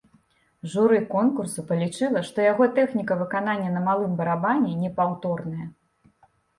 Журы конкурсу палічыла, што яго тэхніка выканання на малым барабане непаўторная.